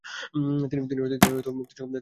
তিনি মুক্তি সংঘে যোগ দেন।